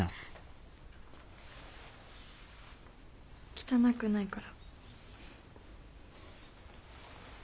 汚くないから。